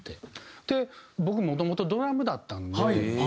で僕もともとドラムだったんで。